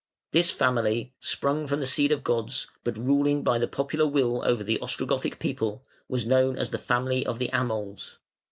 This family, sprung from the seed of gods, but ruling by the popular will over the Ostrogothic people, was known as the family of the Amals.